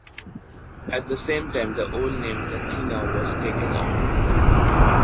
At the same time the old name “Latina” was taken on again.